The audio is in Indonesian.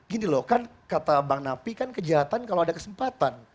gini loh kan kata bang nafi kan kejahatan kalau ada kesempatan